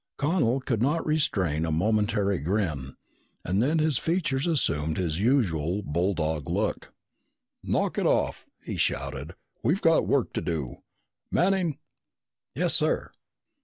Connel could not restrain a momentary grin and then his features assumed his usual bulldog look. "Knock it off!" he shouted. "We've got work to do. Manning!" "Yes, sir?"